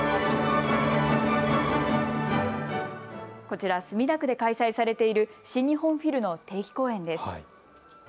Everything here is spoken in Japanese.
こちら、墨田区で開催されている新日本フィルの定期公演です。